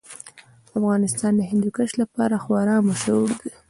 افغانستان د هندوکش لپاره خورا مشهور دی.